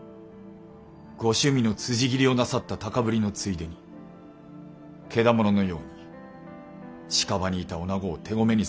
ご趣味のつじ斬りをなさった高ぶりのついでにけだもののように近場にいた女子を手込めにされたのです。